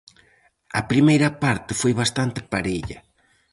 A primeira parte foi bastante parella.